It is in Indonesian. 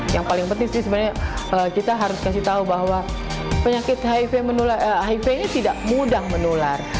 yang paling penting sih sebenarnya kita harus kasih tahu bahwa penyakit hiv hiv ini tidak mudah menular